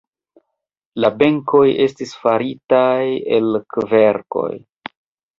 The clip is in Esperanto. La benkoj estis faritaj el kverkoj.